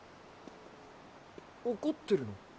怒ってるの？